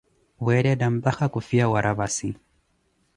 Weethetha mpakah khu fiya wa rapassi